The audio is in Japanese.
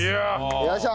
よいしょ。